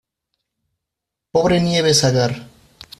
¡ pobre Nieves Agar